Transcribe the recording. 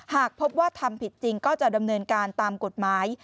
หากพบว่าทำผิดจริงก็จะดำเนินการตามกฎหมาย